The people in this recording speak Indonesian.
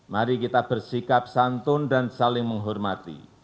mari kita bersikap santun dan saling menghormati